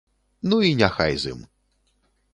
Ну, і няхай з ім.